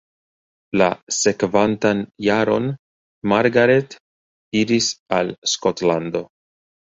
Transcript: La sekvantan jaron Margaret iris al Skotlando.